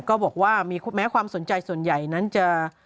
ก็บอกว่ามีแม้ความสนใจส่วนใหญ่นั้นจะ